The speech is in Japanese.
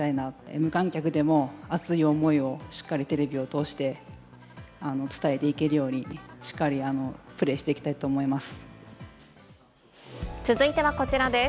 無観客でも熱い思いをしっかりテレビを通して伝えていけるように、しっかりプレーしていきたいと思います。